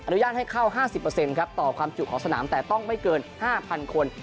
ญาตให้เข้า๕๐ครับต่อความจุของสนามแต่ต้องไม่เกิน๕๐๐คน